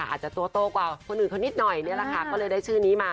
อาจจะตัวโตกว่าคนอื่นเขานิดหน่อยนี่แหละค่ะก็เลยได้ชื่อนี้มา